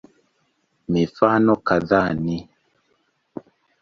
Mifano kadhaa ni